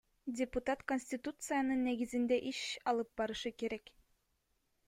Депутат Конституциянын негизинде иш алып барышы керек.